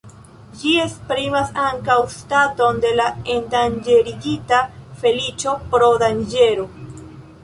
Ĝi esprimas ankaŭ staton de endanĝerigita feliĉo pro danĝero.